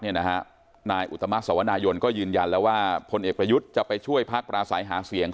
นี่นะครับนายอุตมัศน์สวนายน